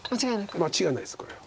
間違いないですこれは。